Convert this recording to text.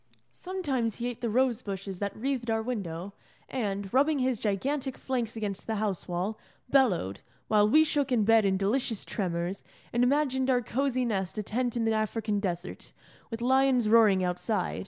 Sometimes he ate the rose bushes that wreathed our window, and, rubbing his gigantic flanks against the house wall, bellowed, while we shook in bed in delicious tremors, and imagined our cosy nest a tent in the African desert, with lions roaring outside.